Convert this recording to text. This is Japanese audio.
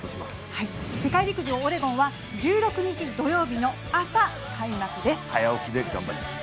はい世界陸上オレゴンは１６日土曜日の朝開幕です